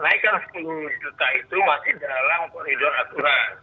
naikan sepuluh juta itu masih dalam perhidupan aturan